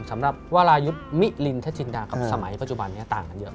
สำหรับวารายุทธ์มิลินทจินดากับสมัยปัจจุบันนี้ต่างกันเยอะ